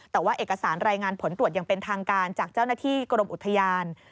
แต่ว่าเอกสารรายงานผลตรวจอย่างเป็นทางการจากเจ้าหน้าที่กรมอุทยาน